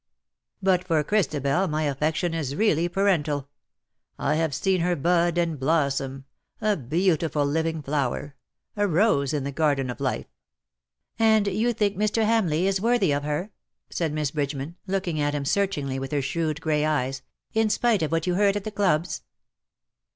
But for Christabel my affection is really parental. I have seen her bud and blossom, a beautiful living flower, a rose in the garden of life.''^ " And you think Mr. Hamleigh is worthy of her ?^' said Miss Bridgeman, looking at him searchingly with her shrewd grey eyes, ^' in spite of what you heard at the clubs